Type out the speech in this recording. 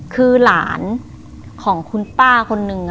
คือหลานของคุณป้าคนนึง